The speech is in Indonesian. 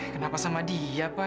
kenapa sama dia pak